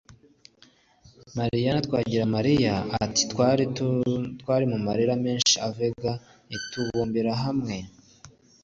Maliyana Twagiramaliya ati “Twari mu marira menshi Avega itubumbira hamwe turiyubaka ku buryo ubu nkanjye nsigaye mfasha abandi